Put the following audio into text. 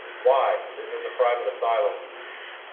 Why, this is a private asylum!